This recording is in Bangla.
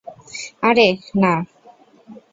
আরে, না।